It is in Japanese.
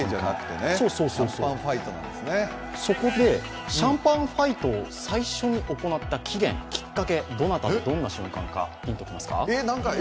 そこで、シャンパンファイトを最初に行った起源、きっかけ、どなたのどんな瞬間か。